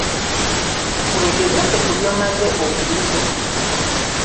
Weegezese ku by'omaze okuyiga.